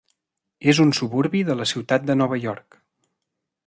És un suburbi de la ciutat de Nova York.